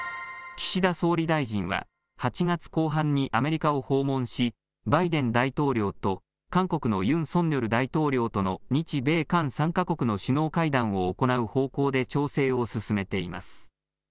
岸田総理大臣は８月後半にアメリカを訪問し、バイデン大統領と韓国のユン・ソンニョル大統領との日米韓３か国の首脳会談を行う方向で調整を進めています。